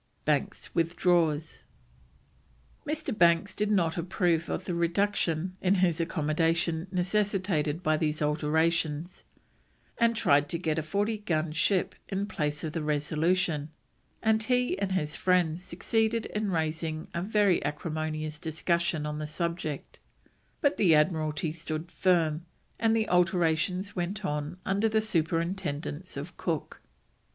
BANKS WITHDRAWS. Mr. Banks did not approve of the reduction in his accommodation necessitated by these alterations, and tried to get a 40 gun ship in place of the Resolution, and he and his friends succeeded in raising a very acrimonious discussion on the subject; but the admiralty stood firm, and the alterations went on under the superintendence of Cook.